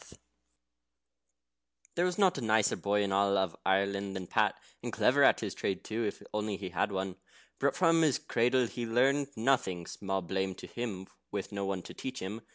] There was not a nicer boy in all Ireland than Pat, and clever at his trade too, if only he'd had one. But from his cradle he learned nothing (small blame to him with no one to teach him!)